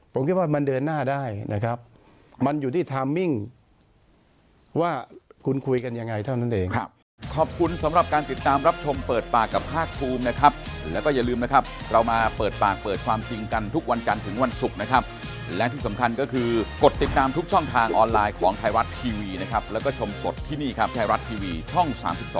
ผมคิดว่ามันเดินหน้าได้นะครับมันอยู่ที่ไทมมิ่งว่าคุณคุยกันยังไงเท่านั้นเอง